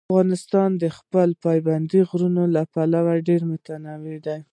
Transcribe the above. افغانستان د خپلو پابندي غرونو له پلوه ډېر متنوع دی.